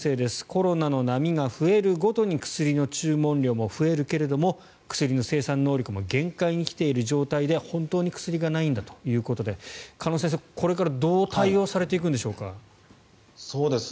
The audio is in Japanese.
コロナの波が増えるごとに薬の注文量も増えるけど薬の生産能力も限界に来ている状態で本当に薬がないんだということで鹿野先生、これからどう対応されていくんでしょうか？